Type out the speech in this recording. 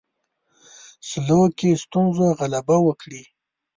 سلوکي ستونزو غلبه وکړي.